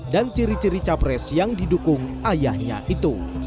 dan ciri ciri capres yang didukung ayahnya itu